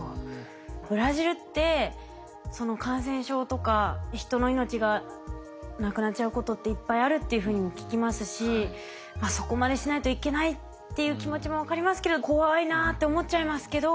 ブラジルって感染症とか人の命がなくなっちゃうことっていっぱいあるっていうふうにも聞きますしそこまでしないといけないっていう気持ちも分かりますけど怖いなぁって思っちゃいますけど。